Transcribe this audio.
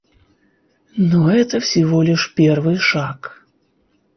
Но это всего лишь первый шаг.